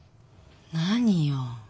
何よ。